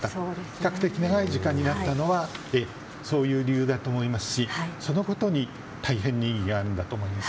比較的長い時間になったのはそういう理由だと思いますしそのことに大変に意義があるんだと思います。